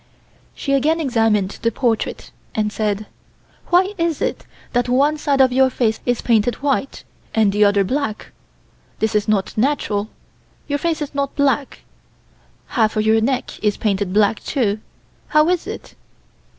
She again examined the portrait and said: "Why is it that one side of your face is painted white and the other black? This is not natural your face is not black. Half of your neck is painted black, too. How is it?"